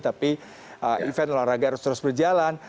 tapi event olahraga harus terus berjalan